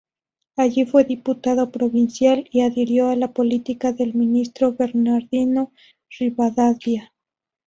Allí fue diputado provincial y adhirió a la política del ministro Bernardino Rivadavia.